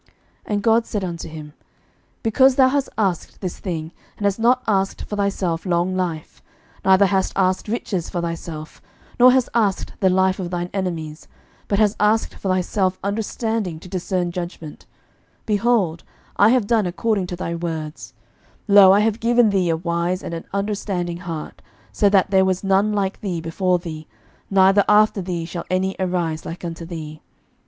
11:003:011 And God said unto him, Because thou hast asked this thing, and hast not asked for thyself long life; neither hast asked riches for thyself, nor hast asked the life of thine enemies; but hast asked for thyself understanding to discern judgment; 11:003:012 Behold, I have done according to thy words: lo, I have given thee a wise and an understanding heart; so that there was none like thee before thee, neither after thee shall any arise like unto thee.